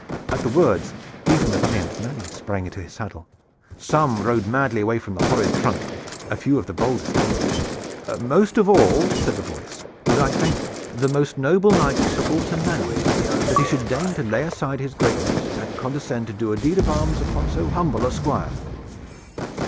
At the words even the valiant Manny sprang into his saddle. Some rode madly away from the horrid trunk. A few of the boldest lingered. "Most of all," said the voice, "would I thank the most noble knight, Sir Walter Manny, that he should deign to lay aside his greatness and condescend to do a deed of arms upon so humble a Squire."